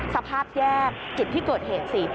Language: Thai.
สภาพแยกจุดที่เกิดเหตุสิ